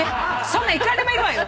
そんなんいくらでもいるわよ。